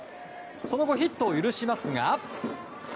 その後、ヒットを許しますが。